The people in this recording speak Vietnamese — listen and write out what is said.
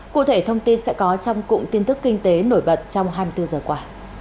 cụ thể thông tin sẽ có trong cụm tin tức kinh tế nổi bật trong hai mươi bốn giờ qua